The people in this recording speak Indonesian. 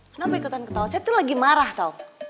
kenapa ikutan ketawa saya tuh lagi marah tau